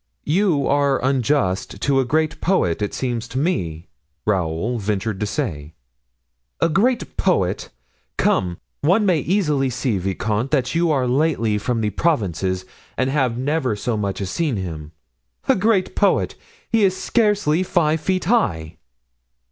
"You are unjust to a great poet, it seems to me," Raoul ventured to say. "A great poet! come, one may easily see, vicomte, that you are lately from the provinces and have never so much as seen him. A great poet! he is scarcely five feet high."